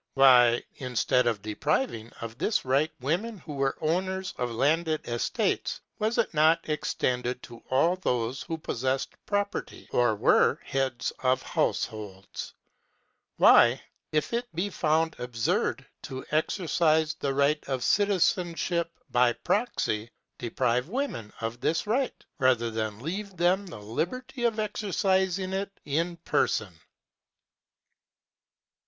Why, instead of depriving of this right women who were owners of landed estates, was it not extended to all those who possessed property or were heads of households? Why, if it be found absurd to exercise the right of citizenship by proxy, deprive women of this right, rather than leave them the liberty of exercising it in person?